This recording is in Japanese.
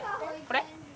これ？